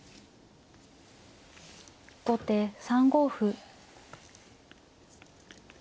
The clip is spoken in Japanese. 後手３五歩。